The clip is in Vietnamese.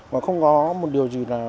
và không có một điều gì là gây năng lực